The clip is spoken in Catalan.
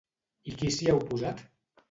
I qui s'hi ha oposat?